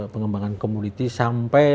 pengembangan komoditi sampai